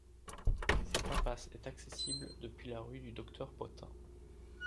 Cette impasse est accessible depuis la rue du Docteur-Potain.